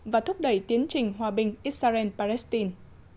và thúc đẩy tiến trình hòa bình israel palestine